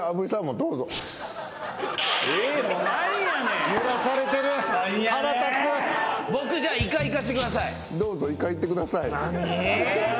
どうぞイカいってください。何？